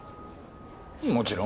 もちろん。